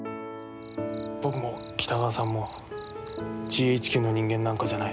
僕も北川さんもＧＨＱの人間なんかじゃない。